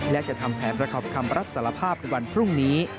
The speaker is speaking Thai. และจะทำแผนประกอบคำรับสารภาพในวันพรุ่งนี้